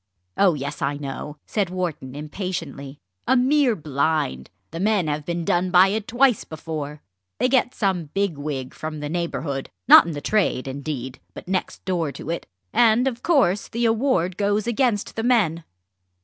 "Oh yes, I know!" said Wharton impatiently; "a mere blind. The men have been done by it twice before. They get some big wig from the neighbourhood not in the trade, indeed, but next door to it and, of course, the award goes against the men."